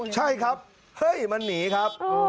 ใช่ครับเฮ้ยมันหนีครับ